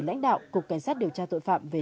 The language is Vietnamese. lãnh đạo cục cảnh sát điều tra tội phạm về